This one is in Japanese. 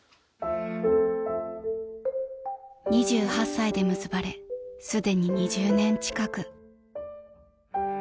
［２８歳で結ばれすでに２０年近く］